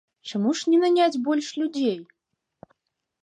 Чаму ж не наняць больш людзей?